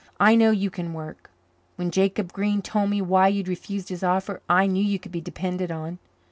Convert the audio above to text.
I know you can work. When Jacob Green told me why you'd refused his offer I knew you could be depended on.